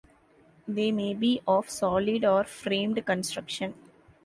They may be of solid or framed construction.